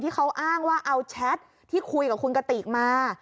เขาอ้างว่าเอาแชทที่คุยกับคุณกติกมา